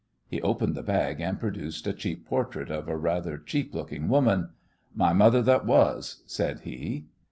He opened the bag and produced a cheap portrait of a rather cheap looking woman. "My mother that was," said he.